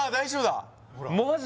マジ！？